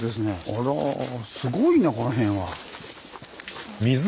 あらすごいなこの辺は。